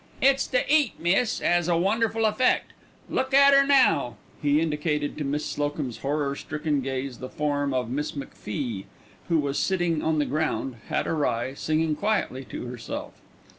"It's the 'eat, miss, 'as a wonderful effect. Look at 'er now." He indicated to Miss Slocum's horror stricken gaze the form of Miss McFie, who was sitting on the ground, hat awry, singing quietly to herself.